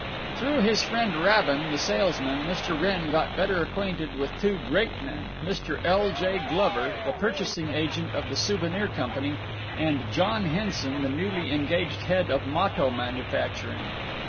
Through his friend Rabin, the salesman, Mr. Wrenn got better acquainted with two great men—Mr. L. J. Glover, the purchasing agent of the Souvenir Company, and John Hensen, the newly engaged head of motto manufacturing.